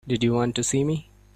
Did you want to see me?